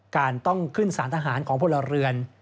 การต้องขึ้นสารทหารของพลเรือน